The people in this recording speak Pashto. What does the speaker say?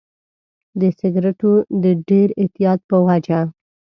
د سیګریټو د ډېر اعتیاد په وجه.